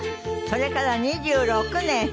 それから２６年。